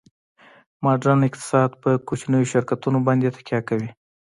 ماډرن اقتصاد په کوچنیو شرکتونو باندې تکیه کوي